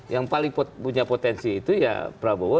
yang paling punya potensi itu ya prabowo